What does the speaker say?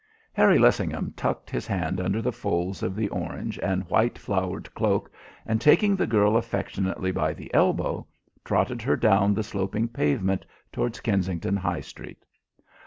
Harry Lessingham tucked his hand under the folds of the orange and white flowered cloak, and taking the girl affectionately by the elbow, trotted her down the sloping pavement towards Kensington High Street.